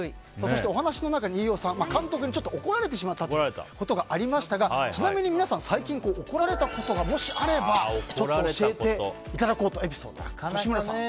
お話の中で飯尾さん監督に怒られてしまったということがありましたがちなみに、皆さん最近怒られたことがもしあれば、教えていただこうと。